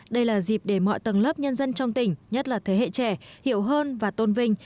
đây là dịp để mọi tầng lớp nhân dân trong tỉnh nhất là thế hệ trẻ hiểu hơn và tôn vinh